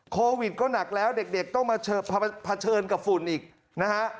โควิดก็หนักแล้วเด็กต้องมาเผชิญกับฝุ่นอีกนะฮะ